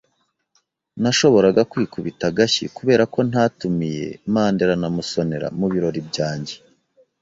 Nashoboraga kwikubita agashyi kubera ko ntatumiye Mandera na Musonera mu birori byanjye.